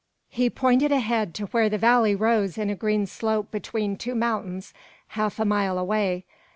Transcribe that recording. He pointed ahead to where the valley rose in a green slope between two mountains half a mile away.